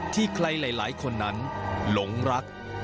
ที่ใครหลายคนนั้นหลงรัก